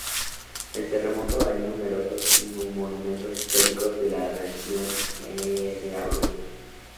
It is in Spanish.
El terremoto dañó numerosos monumentos históricos en la región de Abruzos.